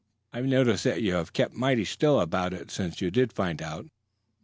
I've noticed that you have kept mighty still about it since you did find out."